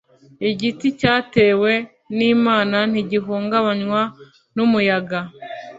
Igiti cyatewe n’Imana ntigihungabanywa n’umuyaga